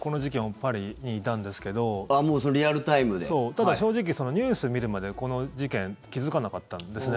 ただ正直、ニュースを見るまでこの事件気付かなかったんです。